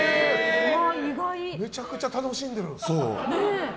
めちゃくちゃ楽しんでる。